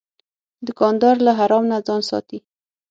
دوکاندار له حرام نه ځان ساتي.